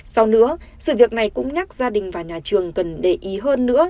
sau nữa sự việc này cũng nhắc gia đình và nhà trường cần để ý hơn nữa